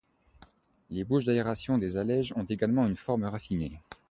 Les bouches d’aération des allèges ont également une forme raffinée.